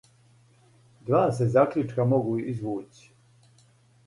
Два се закључка могу извући.